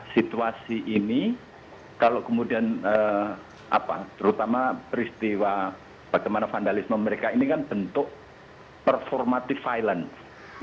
situasi ini kalau kemudian apa terutama peristiwa bagaimana vandalisme mereka ini kan bentuk performatif violence